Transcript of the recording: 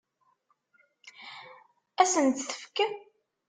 Ad sen-tt-tefk?